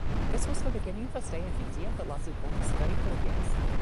This was the beginning of her stay in India that lasted almost thirty-four years.